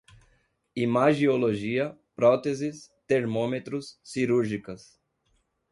imagiologia, próteses, termômetros, cirúrgicas